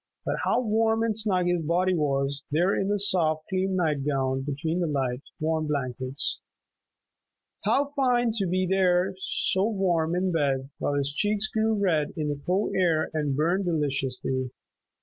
But how warm and snug his body was, there in the soft, clean night gown between the light, warm blankets! How fine to be there so warm in bed while his cheeks grew red in the cold air and burned deliciously.